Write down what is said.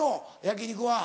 焼き肉は。